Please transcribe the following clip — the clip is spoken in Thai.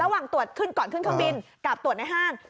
ระหว่างตรวจขึ้นก่อนขึ้นเครื่องบินกับตรวจในห้าง